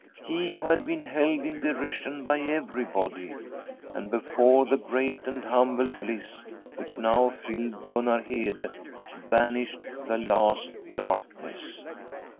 he who had been held in derision by everybody ! and before the great and humble bliss which now filled Gunnar Hede vanished the last darkness.